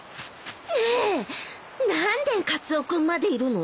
ねえ何でカツオ君までいるの？